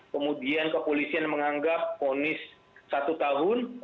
kemudian kepolisian menganggap fonis satu tahun